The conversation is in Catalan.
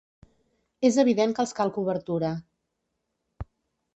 És evident que els cal cobertura.